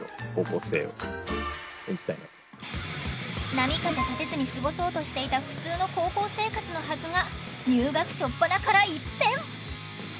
波風立てずに過ごそうとしていた普通の高校生活のはずが入学しょっぱなから一変！